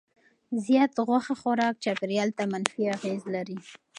زیات غوښه خوراک چاپیریال ته منفي اغېز لري.